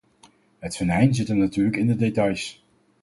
Het venijn zit hem natuurlijk in de details.